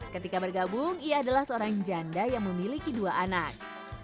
ketika bergabung ia adalah seorang janda yang memiliki dua anak